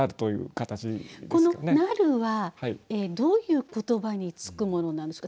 この「なる」はどういう言葉につくものなんですか？